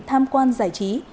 tham quan giải trí